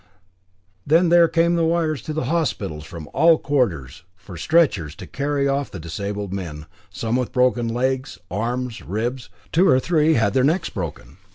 Then there came wires to the hospitals from all quarters for stretchers to carry off the disabled men, some with broken legs, arms, ribs; two or three had their necks broken.